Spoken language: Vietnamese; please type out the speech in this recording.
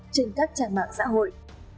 trên các trang mạng xã hội